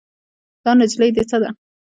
دا نجلۍ دې څه ده؟